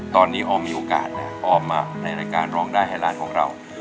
ตอนนี้ออมมีโอกาสแล้วออมมาในรายการร้องได้ให้ร้านของเรา